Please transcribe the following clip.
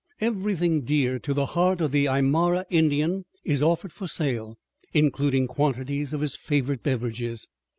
Everything dear to the heart of the Aymara Indian is offered for sale, including quantities of his favorite beverages.